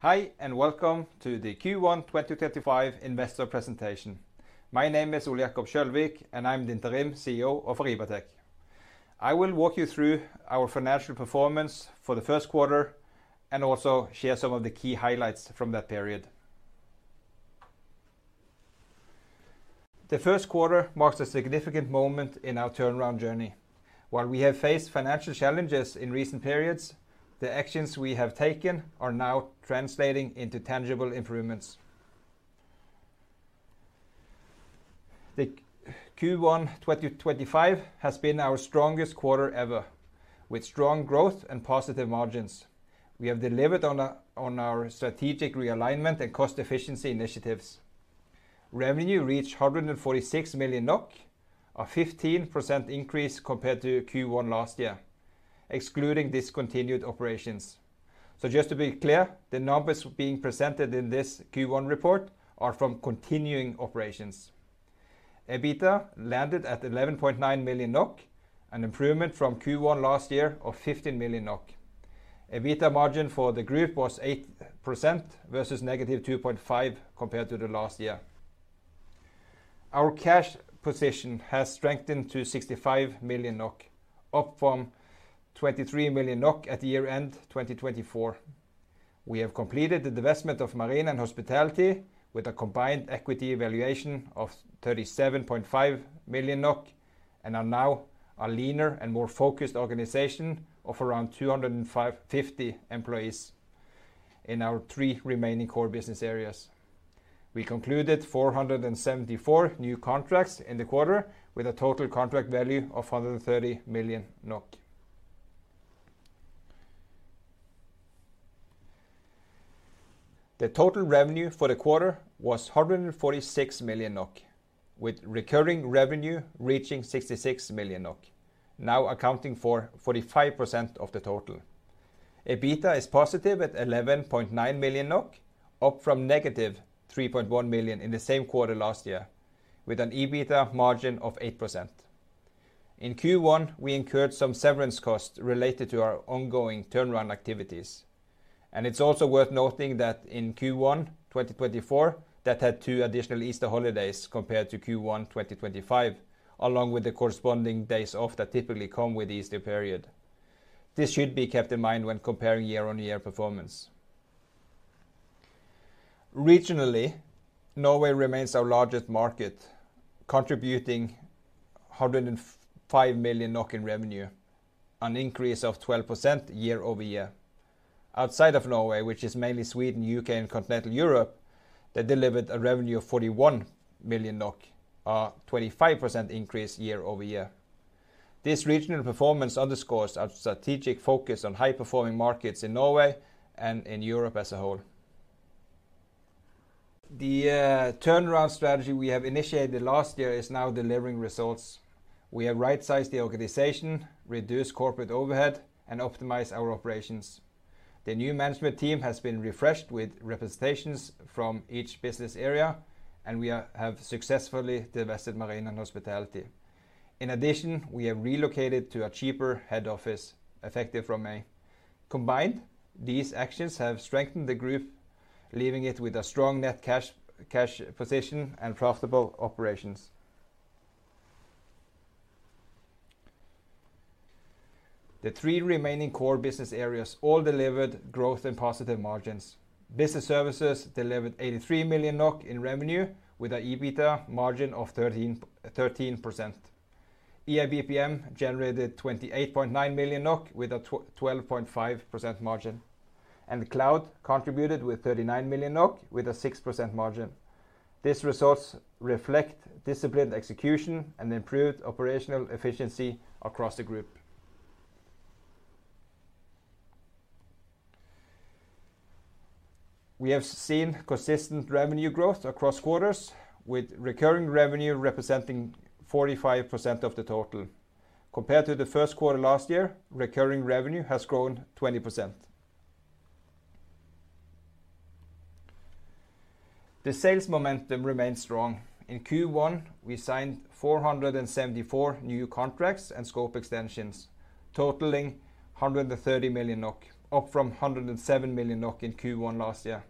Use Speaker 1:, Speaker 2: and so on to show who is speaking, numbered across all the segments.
Speaker 1: Hi, and welcome to the Q1 2025 investor presentation. My name is Ole Jakob Kjølvik, and I'm the Interim CEO of Arribatec. I will walk you through our financial performance for the first quarter and also share some of the key highlights from that period. The first quarter marked a significant moment in our turnaround journey. While we have faced financial challenges in recent periods, the actions we have taken are now translating into tangible improvements. Q1 2025 has been our strongest quarter ever, with strong growth and positive margins. We have delivered on our strategic realignment and cost efficiency initiatives. Revenue reached 146 million NOK, a 15% increase compared to Q1 last year, excluding discontinued operations. Just to be clear, the numbers being presented in this Q1 report are from continuing operations. EBITDA landed at 11.9 million NOK, an improvement from Q1 last year of 15 million NOK. EBITDA margin for the group was 8% versus negative 2.5% compared to last year. Our cash position has strengthened to 65 million NOK, up from 23 million NOK at year-end 2024. We have completed the divestment of Marine and Hospitality with a combined equity valuation of 37.5 million NOK and are now a leaner and more focused organization of around 250 employees in our three remaining core business areas. We concluded 474 new contracts in the quarter with a total contract value of 130 million NOK. The total revenue for the quarter was 146 million NOK, with recurring revenue reaching 66 million NOK, now accounting for 45% of the total. EBITDA is positive at 11.9 million NOK, up from negative 3.1 million in the same quarter last year, with an EBITDA margin of 8%. In Q1, we incurred some severance costs related to our ongoing turnaround activities. It is also worth noting that in Q1 2024, that had two additional Easter holidays compared to Q1 2025, along with the corresponding days off that typically come with the Easter period. This should be kept in mind when comparing year-on-year performance. Regionally, Norway remains our largest market, contributing 105 million NOK in revenue, an increase of 12% year-over-year. Outside of Norway, which is mainly Sweden, the U.K., and Continental Europe, they delivered a revenue of 41 million NOK, a 25% increase year-over-year. This regional performance underscores our strategic focus on high-performing markets in Norway and in Europe as a whole. The turnaround strategy we have initiated last year is now delivering results. We have right-sized the organization, reduced corporate overhead, and optimized our operations. The new management team has been refreshed with representations from each business area, and we have successfully divested marine and hospitality. In addition, we have relocated to a cheaper head office effective from May. Combined, these actions have strengthened the group, leaving it with a strong net cash position and profitable operations. The three remaining core business areas all delivered growth and positive margins. Business Services delivered 83 million NOK in revenue with an EBITDA margin of 13%. EIBPM generated 28.9 million NOK with a 12.5% margin. Cloud contributed with 39 million NOK with a 6% margin. These results reflect disciplined execution and improved operational efficiency across the group. We have seen consistent revenue growth across quarters, with recurring revenue representing 45% of the total. Compared to the first quarter last year, recurring revenue has grown 20%. The sales momentum remained strong. In Q1, we signed 474 new contracts and scope extensions, totaling 130 million NOK, up from 107 million NOK in Q1 last year.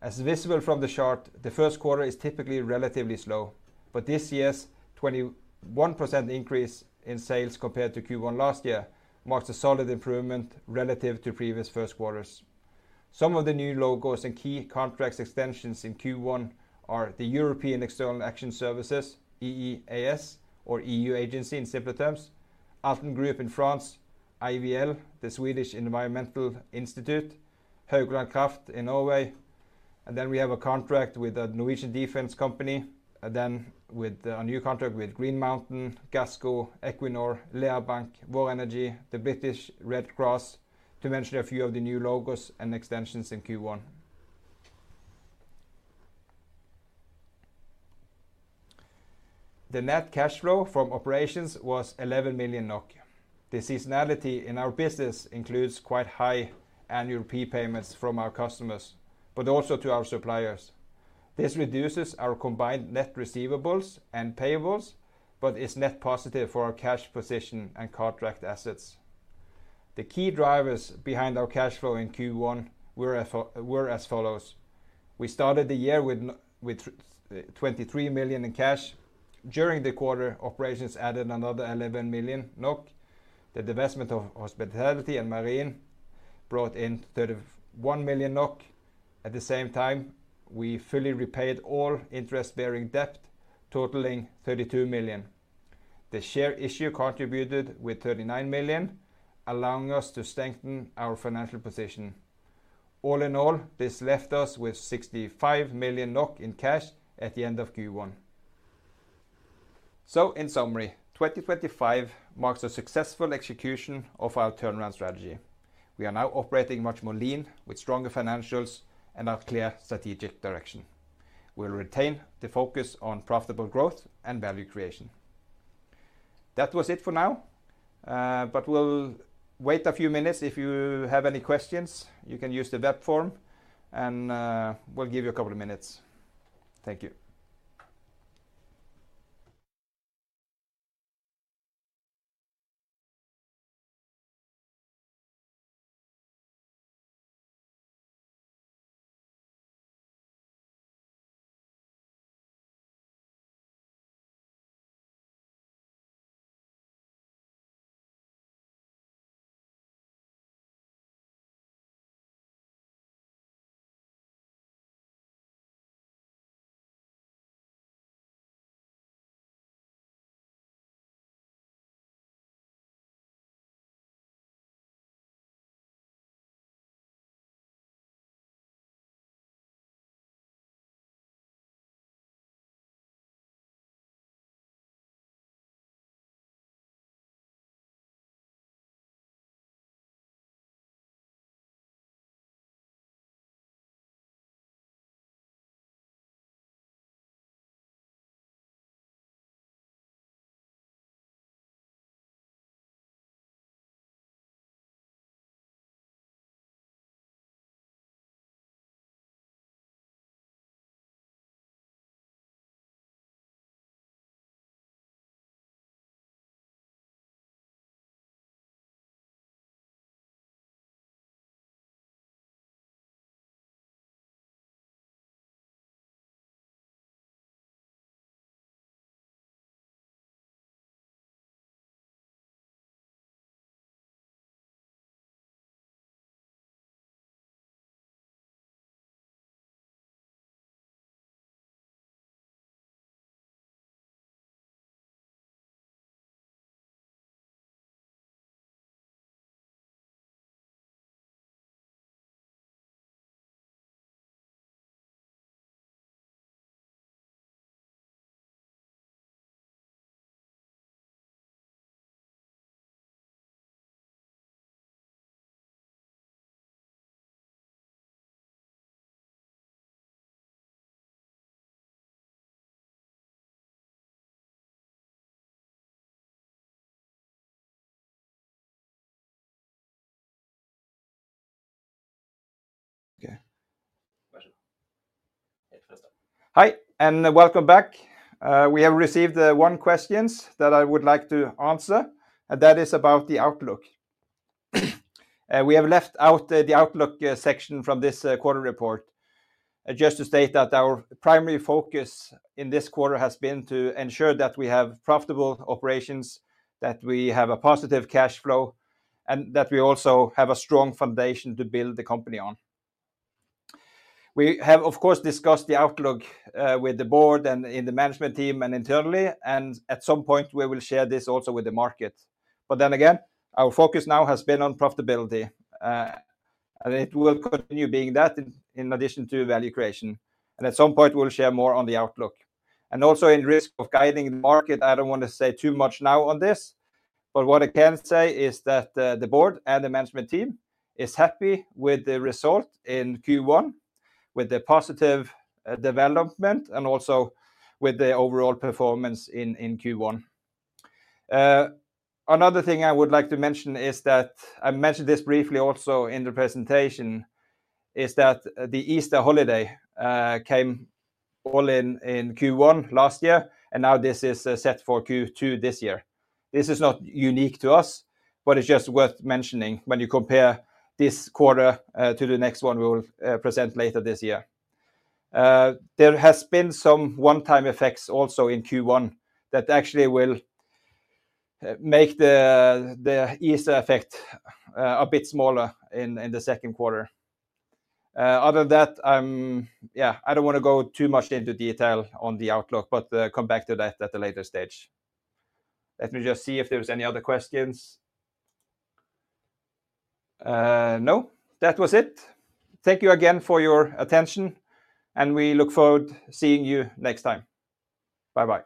Speaker 1: As visible from the chart, the first quarter is typically relatively slow, but this year's 21% increase in sales compared to Q1 last year marks a solid improvement relative to previous first quarters. Some of the new logos and key contract extensions in Q1 are the European External Action Service EEAS, or EU agency in simpler terms, Alten Group in France, IVL Swedish Environmental Research Institute, Høgland Kraft in Norway. We have a contract with a Norwegian defense company, a new contract with Green Mountain, Gassco, Equinor, Lea Bank, Vor Energy, the British Red Cross, to mention a few of the new logos and extensions in Q1. The net cash flow from operations was 11 million. The seasonality in our business includes quite high annual prepayments from our customers, but also to our suppliers. This reduces our combined net receivables and payables, but is net positive for our cash position and contract assets. The key drivers behind our cash flow in Q1 were as follows. We started the year with 23 million in cash. During the quarter, operations added another 11 million NOK. The divestment of hospitality and marine brought in 31 million NOK. At the same time, we fully repaid all interest-bearing debt, totaling 32 million. The share issue contributed with 39 million, allowing us to strengthen our financial position. All in all, this left us with 65 million NOK in cash at the end of Q1. In summary, 2025 marks a successful execution of our turnaround strategy. We are now operating much more lean, with stronger financials and a clear strategic direction. We'll retain the focus on profitable growth and value creation. That was it for now, but we'll wait a few minutes. If you have any questions, you can use the web form, and we'll give you a couple of minutes. Thank you. Hi, and welcome back. We have received one question that I would like to answer, and that is about the outlook. We have left out the outlook section from this quarter report, just to state that our primary focus in this quarter has been to ensure that we have profitable operations, that we have a positive cash flow, and that we also have a strong foundation to build the company on. We have, of course, discussed the outlook with the board and in the management team and internally, and at some point, we will share this also with the market. Our focus now has been on profitability, and it will continue being that in addition to value creation. At some point, we'll share more on the outlook. Also, in risk of guiding the market, I don't want to say too much now on this, but what I can say is that the board and the management team are happy with the result in Q1, with the positive development and also with the overall performance in Q1. Another thing I would like to mention is that I mentioned this briefly also in the presentation, is that the Easter holiday came all in Q1 last year, and now this is set for Q2 this year. This is not unique to us, but it's just worth mentioning when you compare this quarter to the next one we will present later this year. There has been some one-time effects also in Q1 that actually will make the Easter effect a bit smaller in the second quarter. Other than that, I'm, yeah, I don't want to go too much into detail on the outlook, but come back to that at a later stage. Let me just see if there's any other questions. No, that was it. Thank you again for your attention, and we look forward to seeing you next time. Bye-bye.